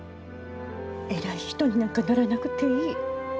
偉い人になんかならなくていい。